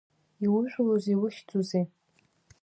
Иужәлоузеи, иухьӡузеи?